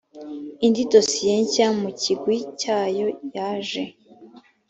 indi dosiye nshya mu kigwi cyayo yaje